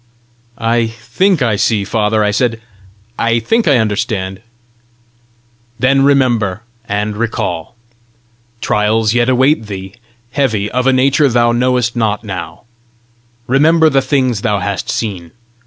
"I think I see, father," I said; "I think I understand." "Then remember, and recall. Trials yet await thee, heavy, of a nature thou knowest not now. Remember the things thou hast seen.